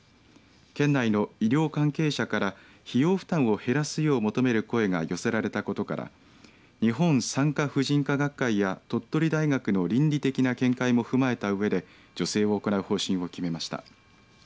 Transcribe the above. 県内の医療関係者から費用負担を減らすよう求める声が寄せられたことから日本産科婦人科学会や鳥取大学の倫理的な見解も踏まえたうえで助成を行う方針を決めました。